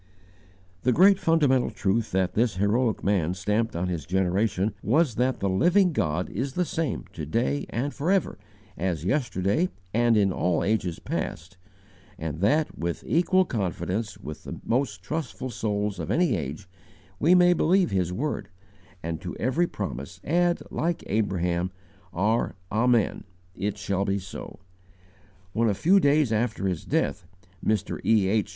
The great fundamental truth that this heroic man stamped on his generation was that the Living God is the same to day and forever as yesterday and in all ages past, and that, with equal confidence with the most trustful souls of any age, we may believe His word, and to every promise add, like Abraham, our 'Amen' IT SHALL BE SO!* When, a few days after his death, Mr. E. H.